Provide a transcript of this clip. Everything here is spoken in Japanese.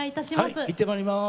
はいいってまいります。